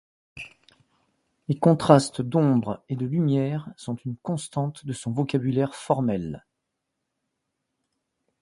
Les contrastes d'ombres et de lumières sont une constante de son vocabulaire formel.